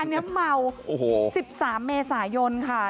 อันนี้เมา๑๓เมษายนค่ะ